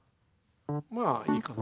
まあいいかな。